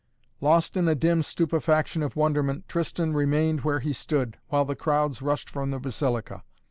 Lost in a dim stupefaction of wonderment, Tristan remained where he stood, while the crowds rushed from the Basilica.